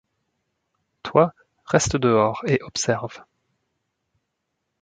Toi, reste dehors et observe.